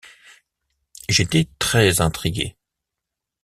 J’étais très-intrigué.